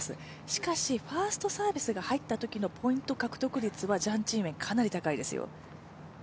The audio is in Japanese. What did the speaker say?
しかしファーストサービスが入ったときのポイント獲得率はジャン・チンウェンかなり高いですよ。